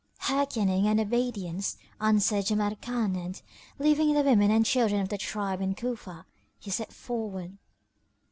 "Hearkening and obedience," answered Jamrkan and, leaving the women and children of the tribe in Cufa, he set forward.